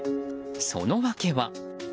その訳は。